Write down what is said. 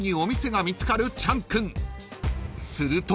［すると］